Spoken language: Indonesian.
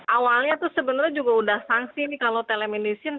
awalnya tuh sebenernya juga udah sangsi nih kalau telemedicine